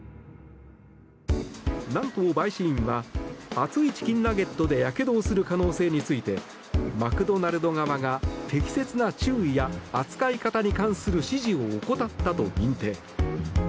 何と、陪審員は熱いチキンナゲットでやけどをする可能性についてマクドナルド側が適切な注意や扱い方に関する指示を怠ったと認定。